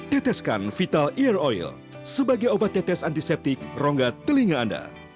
teteskan vital ear oil sebagai obat tetes antiseptik rongga telinga anda